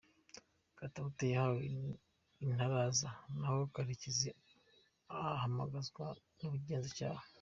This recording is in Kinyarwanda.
Katawuti yahawe intaraza naho Karekezi ahamagazwa n’ubugenzacyaha.